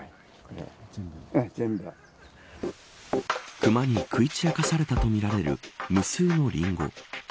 熊に食い散らかされたとみられる無数のリンゴ。